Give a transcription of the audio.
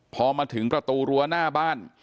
พอมาถึงประตูรั้วหน้าบ้าน